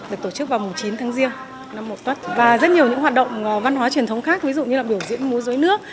được tổ chức vào mùa chín tháng giêng năm một tuất và rất nhiều những hoạt động văn hóa truyền thống khác ví dụ như là biểu diễn múa rối nước